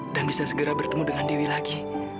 dan bisa segera bertemu dengan dewi lagi